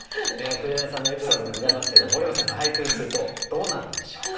紅さんのエピソードでございますけど堀本さんが俳句にするとどうなるんでしょうか。